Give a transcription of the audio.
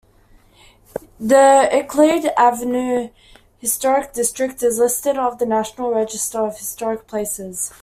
The Euclid Avenue Historic District is listed on the National Register of Historic Places.